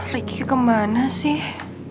ricky kemana sih